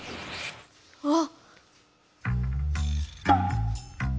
あっ！